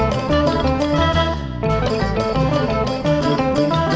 โชว์ฮีตะโครน